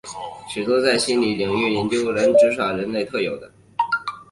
许多在心理学领域杰出的研究人员都指出玩耍是人类特有的。